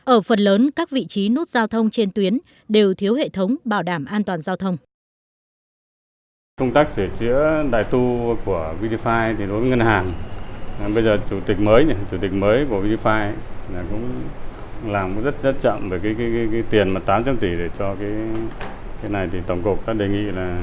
ở phần lớn các vị trí nút giao thông trên tuyến đều thiếu hệ thống bảo đảm an toàn giao thông